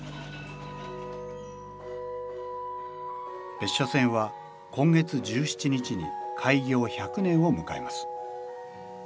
別所線は今月１７日に開業１００年を迎えます。